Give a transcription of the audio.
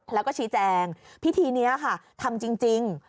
แล้วก็ชี้แจงพิธีนี้ค่ะทำจริง